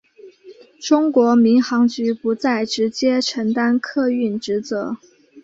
中国民航局不再直接承担客运职责。